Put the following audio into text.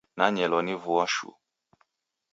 Nanyelwa ni vua shuu.